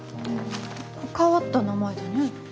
変わった名前だね。